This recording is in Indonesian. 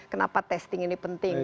kenapa testing ini penting